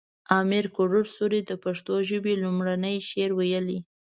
امیر کروړ سوري د پښتو ژبې لومړنی شعر ويلی